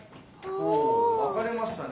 お分かれましたね。